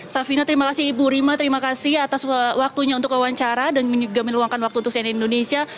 safino terima kasih ibu rima terima kasih atas waktunya untuk wawancara dan juga meluangkan waktu untuk cnn indonesia